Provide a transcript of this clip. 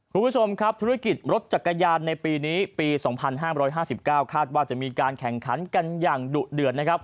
คุณผู้ชมครับธุรกิจรถจักรยานในปีนี้ปี๒๕๕๙คาดว่าจะมีการแข่งขันกันอย่างดุเดือดนะครับ